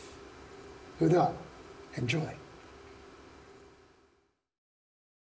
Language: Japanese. それではエンジョイ！